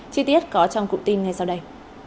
chi tiết có trong cụ tin ngay sau đây